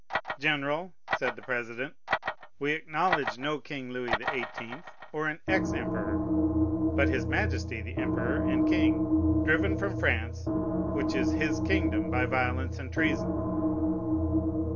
"General," said the president, "we acknowledge no King Louis XVIII., or an ex emperor, but his majesty the emperor and king, driven from France, which is his kingdom, by violence and treason."